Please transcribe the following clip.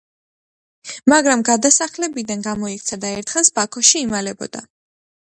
მაგრამ გადასახლებიდან გამოიქცა და ერთ ხანს ბაქოში იმალებოდა.